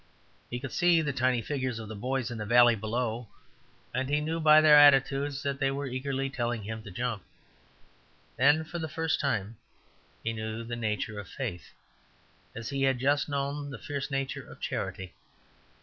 He could see the tiny figures of the boys in the valley below, and he knew by their attitudes that they were eagerly telling him to jump. Then for the first time he knew the nature of faith, as he had just known the fierce nature of charity.